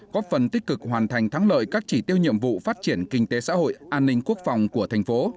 góp phần tích cực hoàn thành thắng lợi các chỉ tiêu nhiệm vụ phát triển kinh tế xã hội an ninh quốc phòng của thành phố